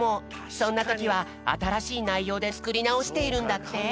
そんなときはあたらしいないようでつくりなおしているんだって。